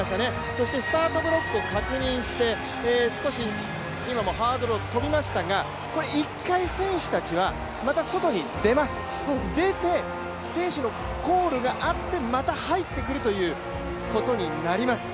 そしてスタートブロックを確認して、少し今もハードルを跳びましたが１回、選手たちはまた外に出ます出て選手のコールがあってまた入ってくるということになります。